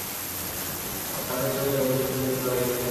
Saga হিসাবে ব্যবহৃত উদ্ভিদের একটি তালিকা নিচে রয়েছে।